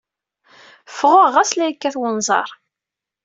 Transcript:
Ffɣeɣ ɣas la yekkat wenẓar.